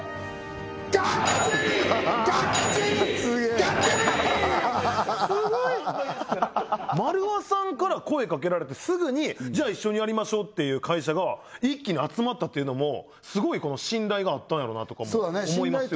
やはり丸和さんから声掛けられてすぐにじゃあ一緒にやりましょうっていう会社が一気に集まったっていうのもスゴい信頼があったんやろなとかも思いますよね